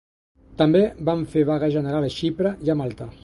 També van fer vaga general a Xipre i a Malta.